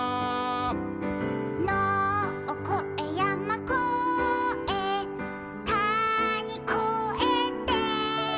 「のをこえやまこえたにこえて」